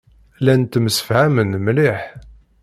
Llan ttemsefhamen mliḥ.